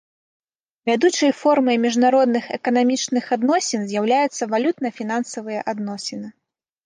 Вядучай формай міжнародных эканамічных адносін з'яўляецца валютна-фінансавыя адносіны.